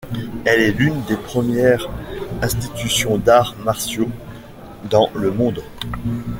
Elle est l'une des premières institutions d'arts martiaux dans le monde.